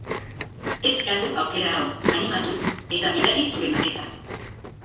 Ez galdu aukera hau, animatu eta bidali zure maketa!